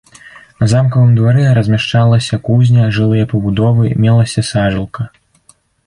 На замкавым двары размяшчалася кузня, жылыя пабудовы, мелася сажалка.